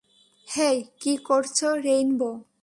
হেই, কি করছো রেইনবো?